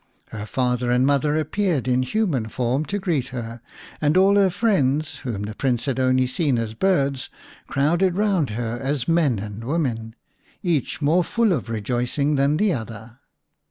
Her father and mother appeared in human form to greet her, and all her friends, whom the Prince had only seen as birds, crowded round her as men and women, each more full of rejoicing than the other.